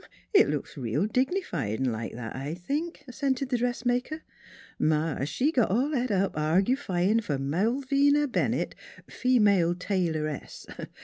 " It looks real dignified 'n' like that, I think," assented the dressmaker. " Ma, she got all het up argufyin' for * Malvina Bennett, Female Tail oress.'